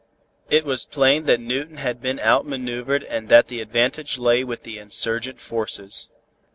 It was plain that Newton had been outmaneuvered and that the advantage lay with the insurgent forces.